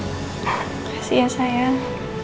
kasih ya sayang